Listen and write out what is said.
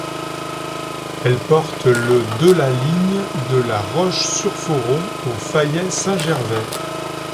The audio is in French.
Elle porte le de la ligne de La Roche-sur-Foron au Fayet-Saint-Gervais.